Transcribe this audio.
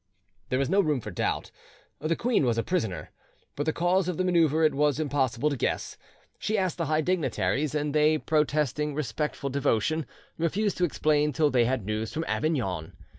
There was no room for doubt: the queen was a prisoner; but the cause of the manoeuvre it was impossible to guess. She asked the high dignitaries, and they, protesting respectful devotion, refused to explain till they had news from Avignon.